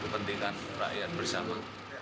kepentingan rakyat bersama